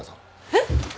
えっ？